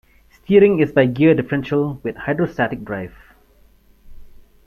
Steering is by gear differential with hydrostatic drive.